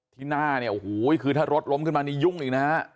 ที่หน้าเนี่ยโอ้โหคือถ้ารถล้มขึ้นมานี่ยุ่งอีกนะฮะ